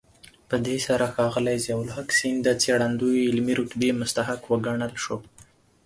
په دې سره ښاغلی ضياءالحق سیند د څېړندوی علمي رتبې مستحق وګڼل شو.